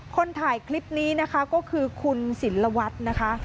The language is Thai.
คนถ่ายคลิปนี้นะคะก็คือคุณศิลวัตรนะคะ